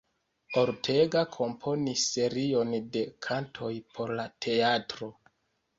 Ortega komponis serion de kantoj por la teatro.